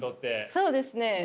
そうですね。